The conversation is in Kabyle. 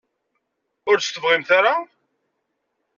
Ur tt-tebɣimt ara?